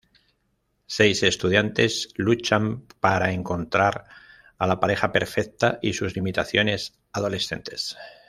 Seis estudiantes luchan para encontrar a la pareja perfecta y sus limitaciones adolescentes.